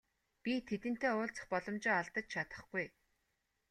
Би тэдэнтэй уулзах боломжоо алдаж чадахгүй.